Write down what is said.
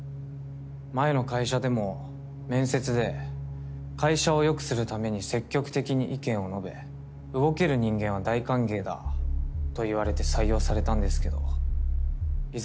前の会社でも面接で会社を良くするために積極的に意見を述べ動ける人間は大歓迎だと言われて採用されたんですけどいざ